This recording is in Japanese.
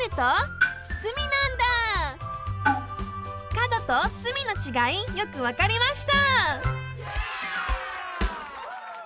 角と隅のちがいよくわかりました！